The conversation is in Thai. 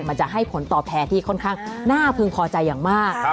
มันจะให้ผลตอบแทนที่ค่อนข้างน่าพึงพอใจอย่างมาก